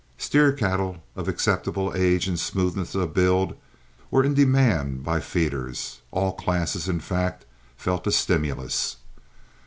Steer cattle of acceptable age and smoothness of build were in demand by feeders; all classes in fact felt a stimulus.